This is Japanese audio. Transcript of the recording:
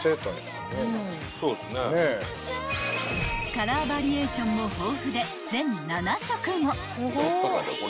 ［カラーバリエーションも豊富で全７色も］